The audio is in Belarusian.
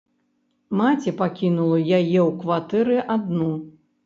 Маці пакінула яе ў кватэры адну.